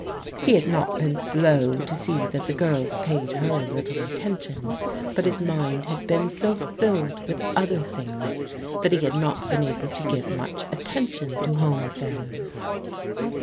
He had not been slow to see that the girls paid her litde attention, but his mind had been so filled with other things that he had not been able to give much attention to home affairs.